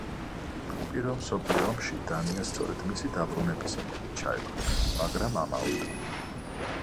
პირველ მსოფლიო ომში დანია სწორედ მისი დაბრუნების იმედით ჩაება, მაგრამ ამაოდ.